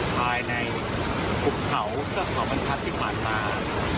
ภายในขุบเขาพระขอบรรคัทที่ผ่านมา